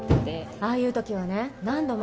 ああいう時はね